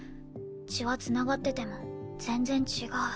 血は繋がってても全然違う。